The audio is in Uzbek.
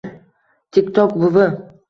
Tik tok buvi